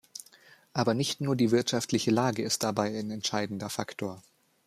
Aber nicht nur die wirtschaftliche Lage ist dabei ein entscheidender Faktor.